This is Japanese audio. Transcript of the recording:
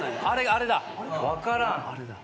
あれだ。